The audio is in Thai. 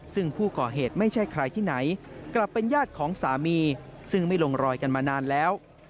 ซึ่งผู้ก่อเหตุไม่ใช่ใครที่ไหนกลับเป็นญาติของสามีซึ่งไม่ลงรอยกันมานานแล้ว